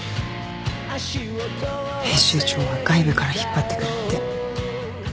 編集長は外部から引っ張ってくるって。